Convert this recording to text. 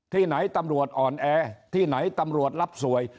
ที่ไหนตำรวจอ่อนแอที่ไหนตำรวจรับสวย